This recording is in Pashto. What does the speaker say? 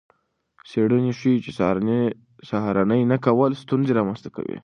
څیړنې ښيي چې د سهارنۍ نه کول ستونزې رامنځته کوي.